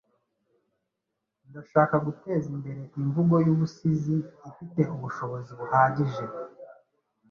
Ndashaka guteza imbere imvugo yubusizi ifite ubushobozi buhagije